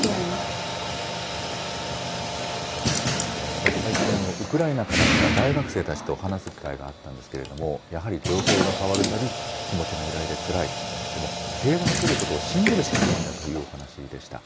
私、最近、ウクライナから来た大学生たちと話す機会があったんですけれども、やはり状況が変わるたび、気持ちが揺らいでつらいと、でもでも平和が来ることを信じるしかないんだというお話でした。